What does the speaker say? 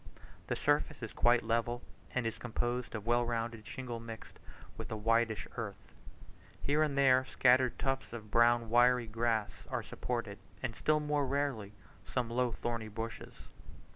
The surface is quite level, and is composed of well rounded shingle mixed with a whitish earth. Here and there scattered tufts of brown wiry grass are supported, and still more rarely, some low thorny bushes.